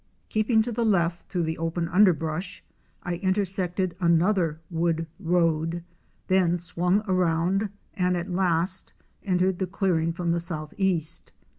Keeping to the left through the open underbrush I inter sected another wood road, then swung around and at last entered the clearing from the southeast.